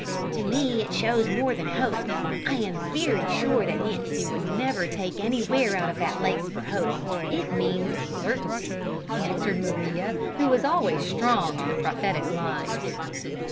"To me it shows more than hope; I am very sure that Nancy would never take any wear out of that lace for hope; it means certainty!" answered Maria, who was always strong in the prophetic line.